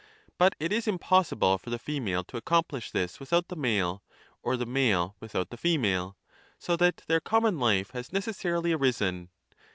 But it is impossible for the female to accomplish this without the male or the male without the female, so that their cpmrnon life has necessarily arisen.